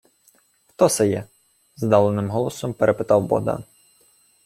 — Хто се є? — здавленим голосом перепитав Богдан.